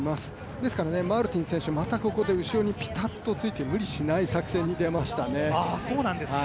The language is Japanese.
ですからマルティン選手また後ろでピタッとついて無理しない作戦に出ましたね。